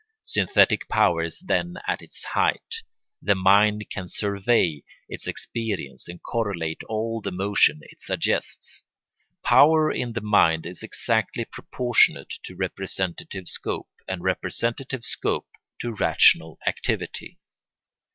Synthetic power is then at its height; the mind can survey its experience and correlate all the motions it suggests. Power in the mind is exactly proportionate to representative scope, and representative scope to rational activity.